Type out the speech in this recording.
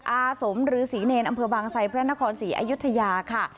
อาสมฤษีเนรอำเภอบางไซพระนครศรีอยุธยาค่ะ